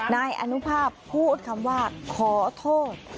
นายอนุภาพพูดคำว่าขอโทษ